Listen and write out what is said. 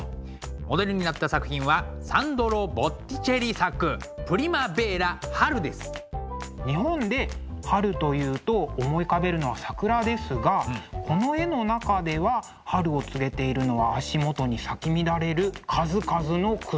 モデルになった作品は日本で春というと思い浮かべるのは桜ですがこの絵の中では春を告げているのは足元に咲き乱れる数々の草花。